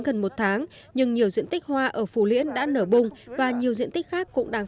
gần một tháng nhưng nhiều diện tích hoa ở phù liễn đã nở bông và nhiều diện tích khác cũng đang